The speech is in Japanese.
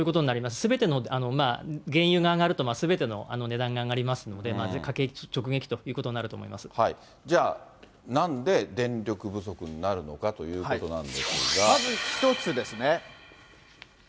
すべての原油が上がると、すべての値段が上がりますので、家計直撃ということになると思いじゃあ、なんで電力不足になまず１つですね。